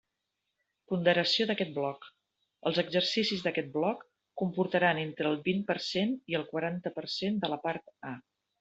Ponderació d'aquest bloc: els exercicis d'aquest bloc comportaran entre el vint per cent i el quaranta per cent de la part A.